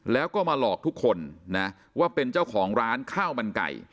แล้วก็มาหลอกทุกคนนะว่าเป็นเจ้าของร้านข้าวมันไก่